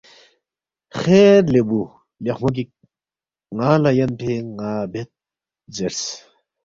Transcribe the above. ”خیر لے بُو لیخمو گِک، ن٘انگ لہ یَنفے ن٘ا بید“ زیرس